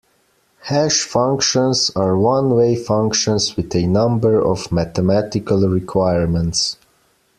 Hash functions are one-way functions with a number of mathematical requirements.